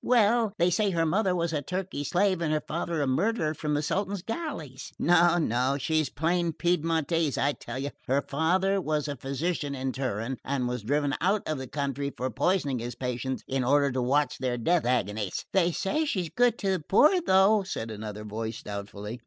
"Well, they say her mother was a Turkey slave and her father a murderer from the Sultan's galleys." "No, no, she's plain Piedmontese, I tell you. Her father was a physician in Turin, and was driven out of the country for poisoning his patients in order to watch their death agonies." "They say she's good to the poor, though," said another voice doubtfully.